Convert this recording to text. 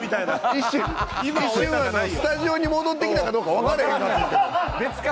一瞬、スタジオに戻ってきたかどうか分からへんから。